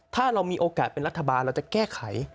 ถ้าเรามีโอกาสเป็นรัฐบาลเราจะแก้ไข